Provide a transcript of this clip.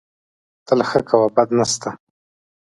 تل ښه کوه، بد نه سته